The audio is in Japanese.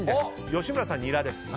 吉村さん、ニラです。